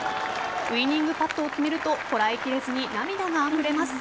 ウイニングパットを決めるとこらえきれずに涙があふれます。